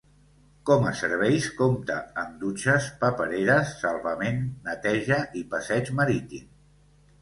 Com a serveis compta amb dutxes, papereres, salvament, neteja i passeig marítim.